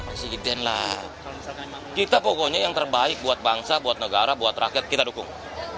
presiden lah kita pokoknya yang terbaik buat bangsa buat negara buat rakyat kita dukung